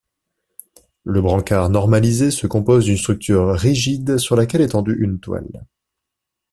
Le brancard normalisé se compose d'une structure rigide sur laquelle est tendue une toile.